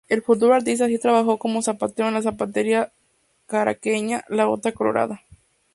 El futuro artista así trabajó como zapatero en la zapatería caraqueña La Bota Colorada.